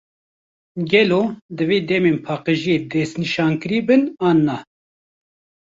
Gelo, divê demên paqijiyê destnîşankirî bin, an na?